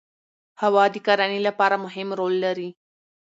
هوا د کرنې لپاره مهم رول لري